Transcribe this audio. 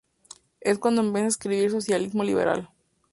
Es cuando empieza a escribir "Socialismo liberal".